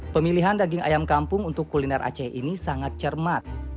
pemilihan daging ayam kampung untuk kuliner aceh ini sangat cermat